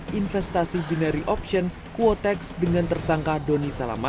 rizky fabian juga menyebutkan penipuan berkenaan